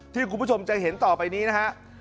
ที่คุณผู้ชมจะเห็นต่อไปนี้นะฮะ